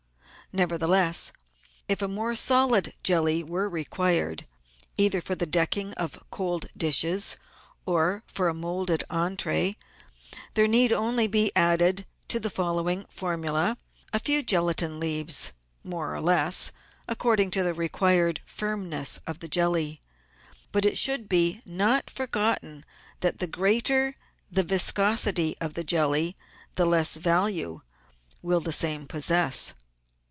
Nevertheless, if a more solid jelly were required, either for the decking of cold dishes or for a moulded entree, there need only be added to the following formulse a few gelatine leaves — more or less — according to the required firmness of the jelly. But it should not be forgotten that the greater the viscosity of the jelly the less value will the same possess.